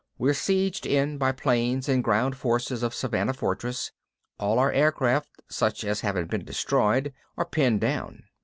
We're sieged in by planes and ground forces of Savannah Fortress. All our aircraft, such as haven't been destroyed, are pinned down.